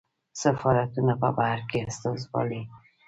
سفارتونه په بهر کې استازولۍ دي